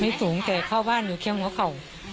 ไม่สูงแต่เข้าบ้านเขียนโม้เข่า